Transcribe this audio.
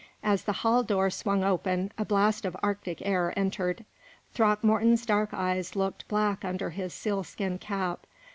As the hall door swung open, a blast of arctic air entered. Throckmorton's dark eyes looked black under his seal skin cap.